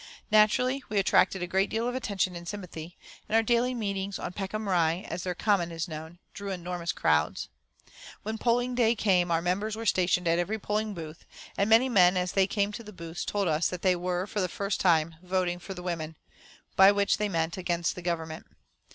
Naturally, we attracted a great deal of attention and sympathy, and our daily meetings on Peckham Rye, as their common is known, drew enormous crowds. When polling day came our members were stationed at every polling booth, and many men as they came to the booths told us that they were, for the first time, voting "for the women," by which they meant against the Government.